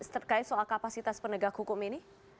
terkait soal kapasitas penegak hukum ini